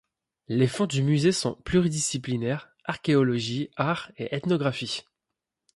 Les fonds du musée sont pluridisciplinaires, archéologie, art et ethnographie.